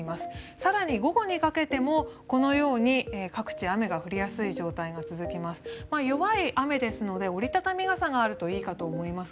更に午後にかけてもこのように各地雨が降りやすい状態が続きます。